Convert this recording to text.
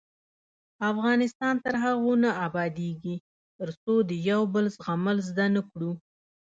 افغانستان تر هغو نه ابادیږي، ترڅو د یو بل زغمل زده نکړو.